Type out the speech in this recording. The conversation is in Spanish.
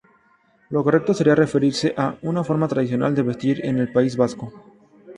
Lo correcto sería referirse a "una forma tradicional de vestir en el País Vasco".